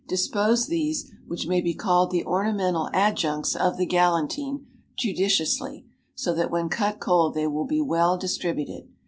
Dispose these, which may be called the ornamental adjuncts of the galantine, judiciously, so that when cut cold they will be well distributed.